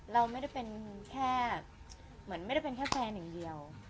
เราไม่ได้เป็นแค่แฟนอย่างเดียว